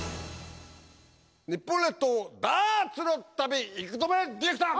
日本列島ダーツの旅幾留ディレクター！